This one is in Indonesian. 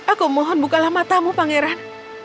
aku mohon bukalah matamu pangeran